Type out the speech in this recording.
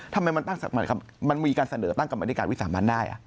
ทำไมมันมีการเสนอตั้งกรรมนิการวิสามันได้